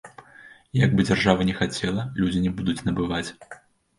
Як бы дзяржава ні хацела, людзі не будуць набываць.